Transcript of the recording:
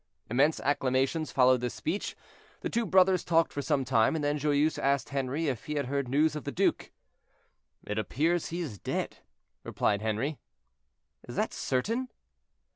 Immense acclamations followed this speech. The two brothers talked for some time, and then Joyeuse asked Henri if he had heard news of the duke. "It appears he is dead," replied Henri. "Is that certain?"